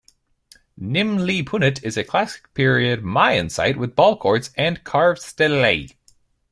Nim Li Punit is a Classic Period Mayan site with ballcourts and carved stelae.